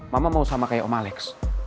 mama mau sama kayak om alex